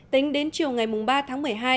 tính đến chiều ngày ba tháng một mươi hai